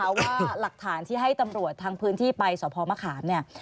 เพราะว่าหลักฐานที่ให้ตำรวจทางพื้นที่ไปสพมะขามเนี่ย